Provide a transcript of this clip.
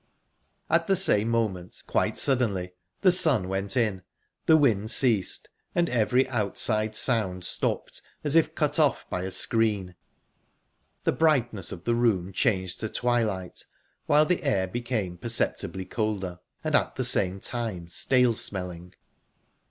At the same moment, quite suddenly, the sun went in, the wind ceased, and every outside sound stopped, as if cut off by a screen. The brightness of the room changed to twilight, while the air became perceptibly colder, and, at the same time stale smelling.